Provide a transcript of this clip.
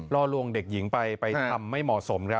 ล่อลวงเด็กหญิงไปทำไม่เหมาะสม